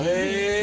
え！